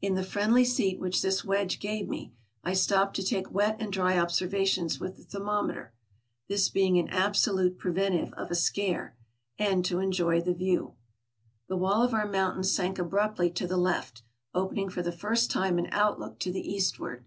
In the friendly seat which this wedge gave me, I stopped to take wet and dry observations with the thermometer — this being an absolute preventive of a scare — and to enjoy the view. The wall of our mountain sank abruptly to the left, open ing for the first time an outlook to the eastward.